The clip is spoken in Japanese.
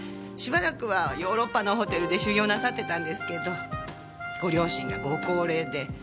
しばらくはヨーロッパのホテルで修業なさってたんですけどご両親がご高齢で。